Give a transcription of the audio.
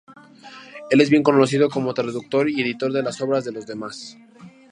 Él es bien conocido como traductor y editor de las obras de los demás.